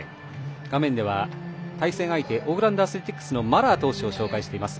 画面では、対戦相手オークランド・アスレティックスマラー投手を紹介しています。